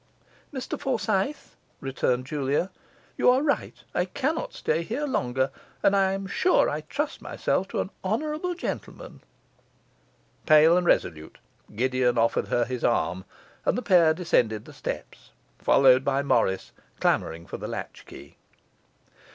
'Mr Forsyth,' returned Julia, 'you are right; I cannot stay here longer, and I am sure I trust myself to an honourable gentleman.' Pale and resolute, Gideon offered her his arm, and the pair descended the steps, followed by Morris clamouring for the latchkey.